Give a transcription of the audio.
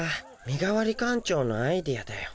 みがわり館長のアイデアだよ。